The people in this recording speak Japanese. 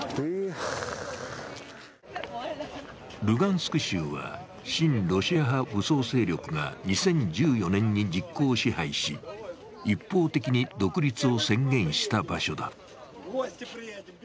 ルガンスク州は親ロシア派武装勢力が２０１４年に実効支配し、一方的に独立を宣言した場所だ。